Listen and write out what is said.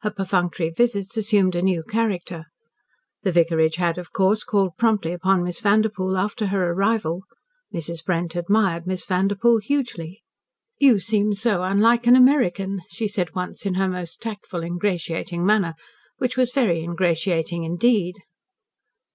Her perfunctory visits assumed a new character. The vicarage had, of course, called promptly upon Miss Vanderpoel, after her arrival. Mrs. Brent admired Miss Vanderpoel hugely. "You seem so unlike an American," she said once in her most tactful, ingratiating manner which was very ingratiating indeed.